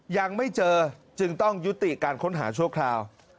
ยังไม่เจอจึงต้องยุติการค้นหาชั่วคราว